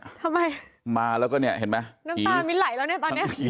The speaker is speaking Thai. ทำไมมาแล้วก็เนี่ยเห็นไหมน้ำตามิ้นไหลแล้วเนี่ยตอนเนี้ย